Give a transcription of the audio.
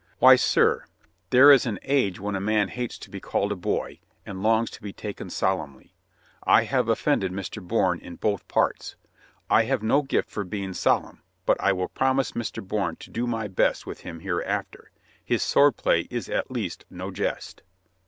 "Why, sir, there is an age when a man hates to be called a boy, and longs to be taken solemnly. I have offended Mr. MR. BOURNE IS SORRY 115 Bourne in both parts. I have no gift for being solemn, but I will promise Mr. Bourne to do my best with him hereafter. His sword play is at least no jest."